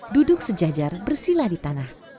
duduk sejajar bersila di tanah